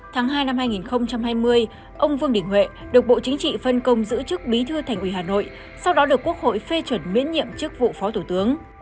tháng hai năm hai nghìn hai mươi ông vương đình huệ được bộ chính trị phân công giữ chức bí thư thành ủy hà nội sau đó được quốc hội phê chuẩn miễn nhiệm chức vụ phó thủ tướng